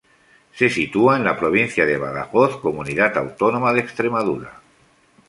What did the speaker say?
Se sitúa en la provincia de Badajoz, comunidad autónoma de Extremadura.